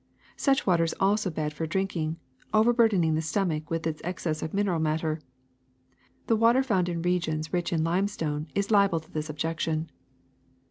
Such water is also bad for drinking, overburdening the stomach with its ex cess of mineral matter. The water found in regions rich in limestone is liable to this objection."